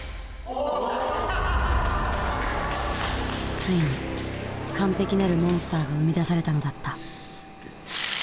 ついに完璧なるモンスターが生み出されたのだった。